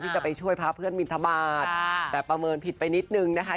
จะไปช่วยพระเพื่อนมินทบาทแต่ประเมินผิดไปนิดนึงนะคะ